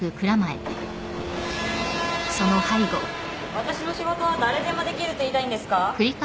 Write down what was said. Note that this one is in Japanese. ・私の仕事は誰でもできると言いたいんですか？